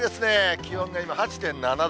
気温が今８．７度。